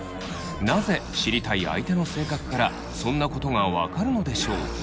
なぜ知りたい相手の性格からそんなことが分かるのでしょう。